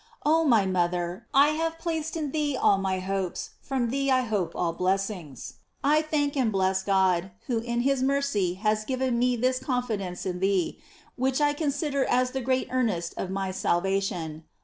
Oh my mother, I have placed in thee all my hopes, from thee I hope all blessings. I thank and bles» God, who in his mercy has given me this con fidence in thee, which I consider as the great earnest of my salvation.